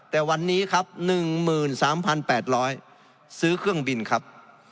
แต่วันนี้ครับ๑๓๘๐๐ซื้อเครื่องบินครับ